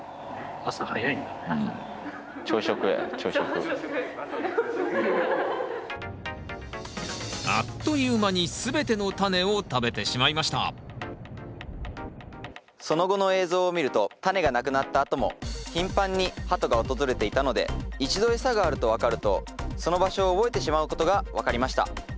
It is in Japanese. こいつあっという間に全てのタネを食べてしまいましたその後の映像を見るとタネがなくなったあとも頻繁にハトが訪れていたので一度餌があると分かるとその場所を覚えてしまうことが分かりました。